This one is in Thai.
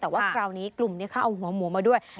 แต่ว่าคราวนี้กลุ่มนี้เขาเอาหัวหมูมาด้วย